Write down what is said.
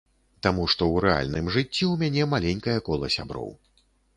Таму што ў рэальным жыцці ў мяне маленькае кола сяброў.